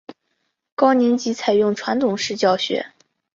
高年级采用传统式教学。